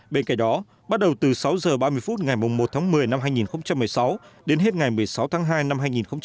bên cạnh đó bắt đầu từ sáu h ba mươi phút ngày một tháng một mươi năm hai nghìn một mươi sáu đến hết ngày một mươi sáu tháng hai năm hai nghìn hai mươi